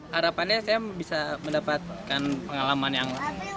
harapannya saya bisa mendapatkan pengalaman yang